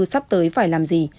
sắp tới phải làm gì